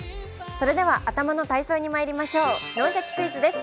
頭の体操にまいりましょう、「脳シャキ！クイズ」です。